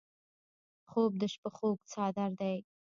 خوب د شپه خوږ څادر دی